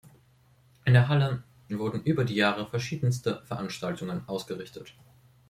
In der Halle wurden über die Jahre verschiedenste Veranstaltungen ausgerichtet.